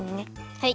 はい。